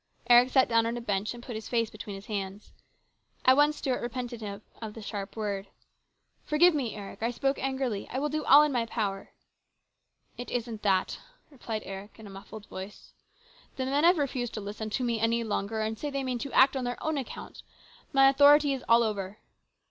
Eric sat down on a bench and put his face between his hands'. At once Stuart repented him of the sharp word. " Forgive me, Eric. I spoke angrily. I will do all in my power." " It isn't that," replied Eric in a muffled voice. " The men have refused to listen to me any longer, and say they mean to act on their own account ! My authority is all over